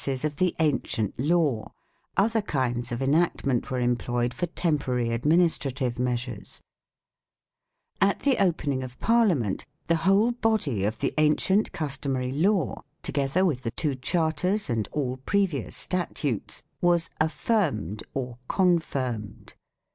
p. 354 A ; ibid. iii. 661, no. 34. MAGNA CARTA AND COMMON LAW 165 of the ancient law, other kinds of enactment were employed, for temporary administrative measures. At the opening of Parliament, the whole body of the ancient customary law, together with the two charters and all previous statutes, was affirmed or confirmed.